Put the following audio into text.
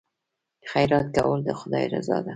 خیرات کول د خدای رضا ده.